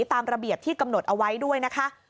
ตามระเบียบที่กำหนดเอาไว้ด้วยนะคะ